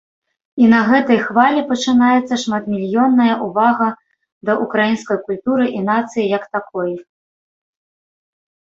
І на гэтай хвалі пачынаецца шматмільённая увага да ўкраінскай культуры і нацыі як такой.